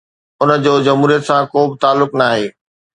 ان جو جمهوريت سان ڪو به تعلق ناهي.